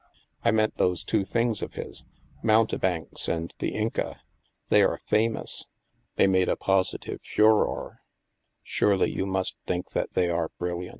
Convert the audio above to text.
I meant those two things of his, ' Mountebanks ' and ' The Inca.' They are famous. They made a posi tive furore. Surely you must think that they are brilliant?"